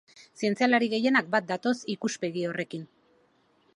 Zientzialari gehienak bat datoz ikuspegi horrekin.